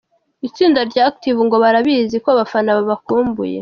Itsinda rya Active ngo barabizi ko abafana babakumbuye.